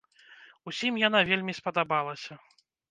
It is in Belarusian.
Усім яна вельмі спадабалася.